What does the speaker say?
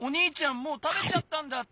もうたべちゃったんだって。